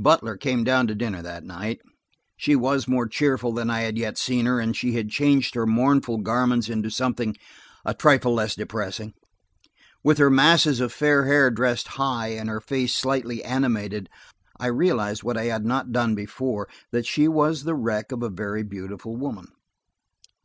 BUTLER came down to dinner that night. She was more cheerful than I had yet seen her; and she had changed her mournful garments to something a trifle less depressing. With her masses of fair hair dressed high, and her face slightly animated, I realized what I had not done before–that she was the wreck of a very beautiful woman.